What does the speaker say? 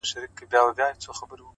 • اوس خو رڼاگاني كيسې نه كوي،